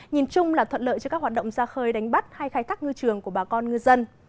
nhìn chung là thuận lợi cho các hoạt động ra khơi đánh bắt hay khai thác ngư trường của bà con ngư dân